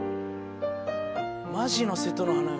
マジの瀬戸の花嫁や。